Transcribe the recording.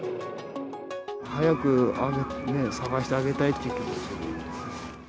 早く捜してあげたいという気